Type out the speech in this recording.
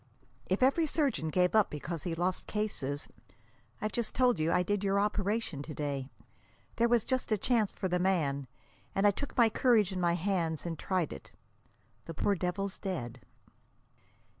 "If every surgeon gave up because he lost cases I've just told you I did your operation to day. There was just a chance for the man, and I took my courage in my hands and tried it. The poor devil's dead."